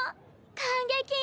感激！